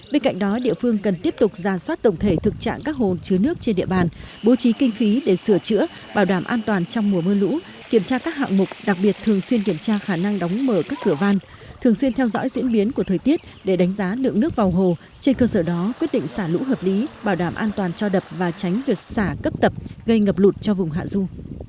bên cạnh đó địa phương cần tiếp tục ra soát tổng thể thực trạng các hồ chứa nước trên địa bàn bố trí kinh phí để sửa chữa bảo đảm an toàn trong mùa mưa lũ kiểm tra các hạng mục đặc biệt thường xuyên kiểm tra khả năng đóng mở các cửa van thường xuyên theo dõi diễn biến của thời tiết để đánh giá lượng nước vào hồ trên cơ sở đó quyết định xả lũ hợp lý bảo đảm an toàn cho đập và tránh việc xả cấp tập gây ngập lụt cho vùng hạ du